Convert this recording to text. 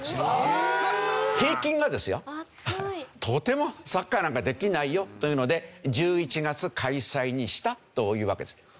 とてもサッカーなんかできないよというので１１月開催にしたというわけです。